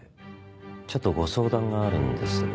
ちょっとご相談があるんですが。